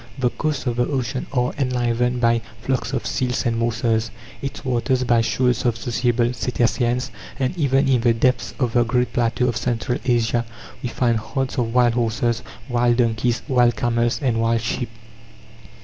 The coasts of the ocean are enlivened by flocks of seals and morses; its waters, by shoals of sociable cetaceans; and even in the depths of the great plateau of Central Asia we find herds of wild horses, wild donkeys, wild camels, and wild sheep.